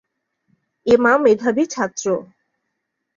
এমা মেধাবী ছাত্র।